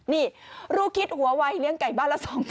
นี่ลูกคิดหัววัยเลี้ยงไก่บ้านละ๒๐๐